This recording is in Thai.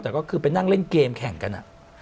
แต่ก็คือไปนั่งเล่นเกมแข่งกัน